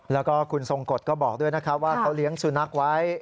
แล้วก็คุณทรงกฎก็บอกด้วยนะครับว่าเขาเลี้ยงสุนัขไว้